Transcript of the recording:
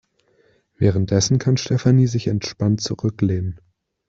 Währenddessen kann Stefanie sich entspannt zurücklehnen.